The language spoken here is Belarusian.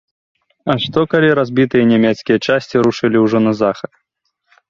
А што, калі разбітыя нямецкія часці рушылі ўжо на захад?